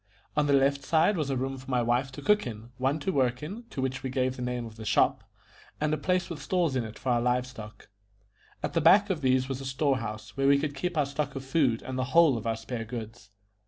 On the left side was a room for my wife to cook in, one to work in, to which we gave the name of the shop, and a place with stalls in it for our live stock. At the back of these was a store house, where we could keep our stock of food and the whole of our spare goods.